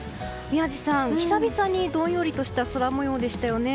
宮司さん、久々にどんよりとした空模様でしたよね。